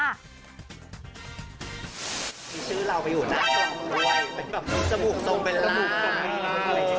ชื่อเราไปอยู่น่ะส่องเบลล่า